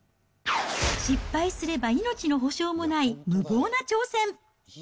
失敗すれば命の補償もない無謀な挑戦。